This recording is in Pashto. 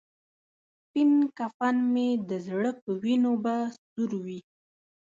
سپین کفن مې د زړه په وینو به سور وي.